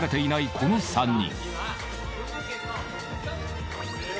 この３人。